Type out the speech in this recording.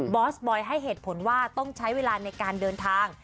อสบอยให้เหตุผลว่าต้องใช้เวลาในการเดินทาง